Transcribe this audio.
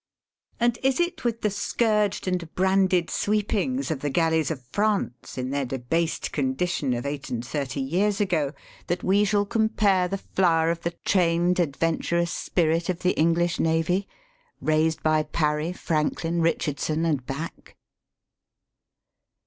And is it with the scourged and branded sweepings or the galleys of France, in their debased condition of eight and thirty years ago, that we shall compare the flower of the trained adven turous spirit of the English Navy, raised by Parry, Franklin, Richardson, and Back